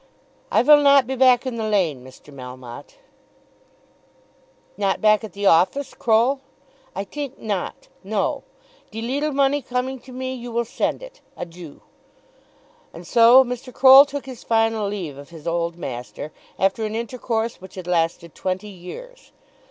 "I vill not be back in the Lane, Mr. Melmotte." "Not back at the office, Croll?" "I tink not; no. De leetle money coming to me, you will send it. Adieu." And so Mr. Croll took his final leave of his old master after an intercourse which had lasted twenty years.